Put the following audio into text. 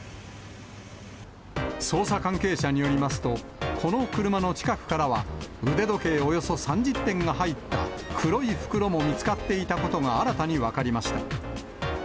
捜査関係者によりますと、この車の近くからは、腕時計およそ３０点が入った黒い袋も見つかっていたことが新たに分かりました。